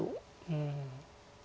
うん。